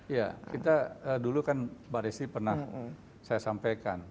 ya kita dulu kan mbak desi pernah saya sampaikan